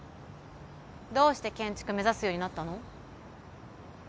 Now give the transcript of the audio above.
どうして建築目指すようになったの？